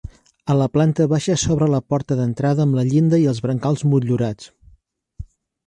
A la planta baixa s'obre la porta d'entrada amb la llinda i els brancals motllurats.